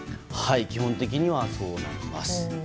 基本的にはそうなります。